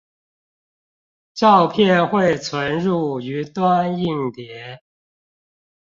照片會存入雲端硬碟